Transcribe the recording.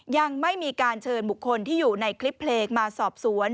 ยังไม่มีการเชิญบุคคลที่อยู่ในคลิปเพลงมาสอบสวน